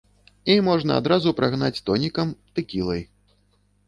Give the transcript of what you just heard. І можна адразу прагнаць тонікам, тэкілай.